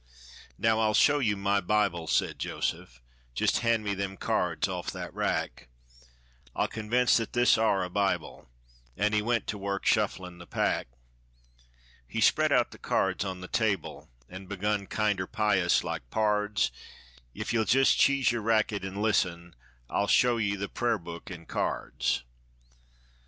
"Now, I'll show you my bible," said Joseph, "Jist hand me them cards off that rack; I'll convince that this are a bible," An' he went to work shufflin' the pack. He spread out the cards on the table, An' begun kinder pious like, "Pards, If ye'll jist cheese yer racket an' listen, I'll show ye the pra'ar book in cards.